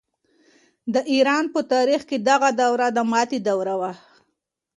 د ایران په تاریخ کې دغه دوره د ماتې دوره وه.